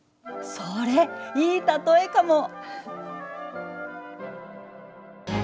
それいい例えかも。